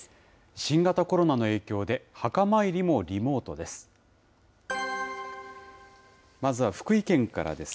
新型コロナの影響で、墓参りもリモートです。